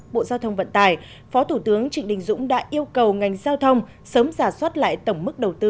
bộ giao thông vận tải phó thủ tướng trịnh đình dũng đã yêu cầu ngành giao thông sớm giả soát lại tổng mức đầu tư